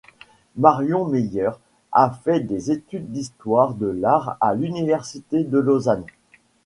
Marion Meyer a fait des études d'histoire de l'art à l'Université de Lausanne.